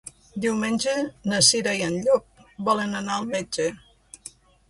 Diumenge na Cira i en Llop volen anar al metge.